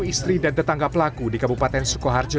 istri dan tetangga pelaku di kabupaten sukoharjo